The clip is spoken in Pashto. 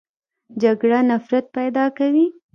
جګړه نفرت پیدا کوي